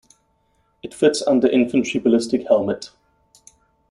It fits under infantry ballistic helmet.